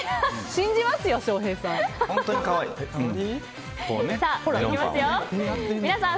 信じますよ、翔平さん。